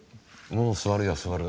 もう座るよ座る。